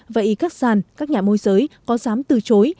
vậy các sàn các nhà môi giới có dám từ chối